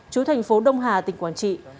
chú thành phố đông hà tỉnh quảng trị